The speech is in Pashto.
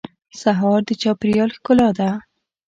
سهار د چاپېریال ښکلا ده.